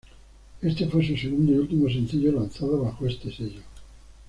Este fue su segundo y último sencillo lanzado bajo este sello.